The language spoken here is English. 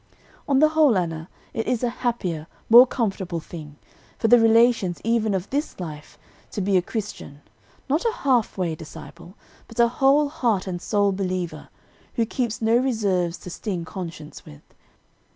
"On the whole, Anna, it is a happier, more comfortable thing, for the relations even of this life, to be a Christian; not a half way disciple, but a whole heart and soul believer, who keeps no reserves to sting conscience with.